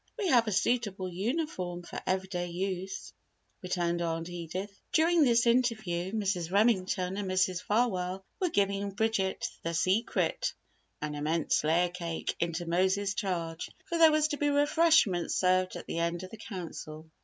We have a suitable uniform for every day use," returned Aunt Edith. During this interview, Mrs. Remington and Mrs. Farwell were giving Bridget with "the secret" (an immense layer cake) into Mose's charge, for there were to be refreshments served at the end of the Council.